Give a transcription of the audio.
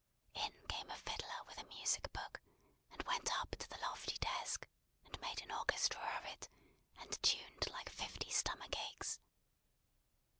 In came a fiddler with a music book, and went up to the lofty desk, and made an orchestra of it, and tuned like fifty stomach aches.